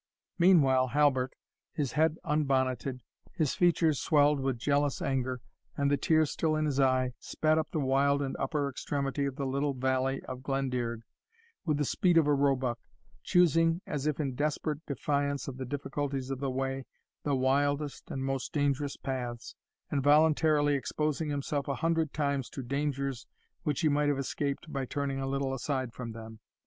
Meanwhile Halbert, his head unbonneted, his features swelled with jealous anger, and the tear still in his eye, sped up the wild and upper extremity of the little valley of Glendearg with the speed of a roebuck, choosing, as if in desperate defiance of the difficulties of the way, the wildest and most dangerous paths, and voluntarily exposing himself a hundred times to dangers which he might have escaped by turning a little aside from them.